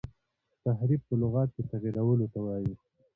تحریف په لغت کي تغیرولو ته ویل کیږي.